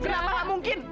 kenapa gak mungkin